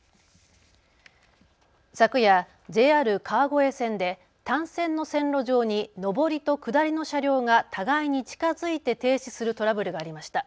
昨夜、ＪＲ川越線で単線の線路上に上りと下りの車両が互いに近づいて停止するトラブルがありました。